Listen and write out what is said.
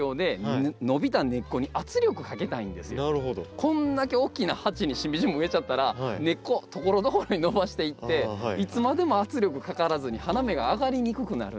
こんだけ大きな鉢にシンビジウム植えちゃったら根っこところどころに伸ばしていっていつまでも圧力かからずに花芽があがりにくくなるんですよ。